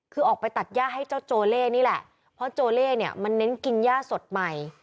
คือออกไปตัดย่าให้เจ้าโจเล่นี่แหละเพราะโจเล่เนี่ยมันเน้นกินย่าสดใหม่